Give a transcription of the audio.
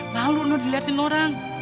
lalu noh diliatin orang